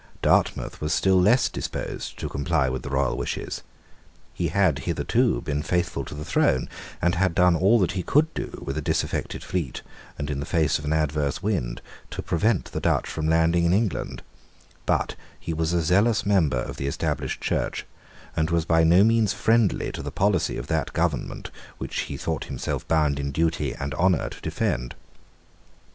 Dartmouth was still less disposed to comply with the royal wishes. He had hitherto been faithful to the throne, and had done all that he could do, with a disaffected fleet, and in the face of an adverse wind, to prevent the Dutch from landing in England: but he was a zealous member of the Established Church; and was by no means friendly to the policy of that government which he thought himself bound in duty and honour to defend.